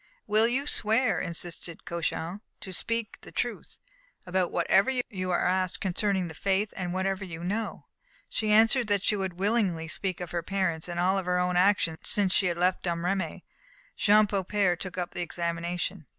"Will you swear," insisted Cauchon, "to speak the truth about whatever you are asked concerning the faith, and whatever you know?" She answered that she would willingly speak of her parents, and of all her own actions since she had left Domremy. Jean Beaupère took up the examination.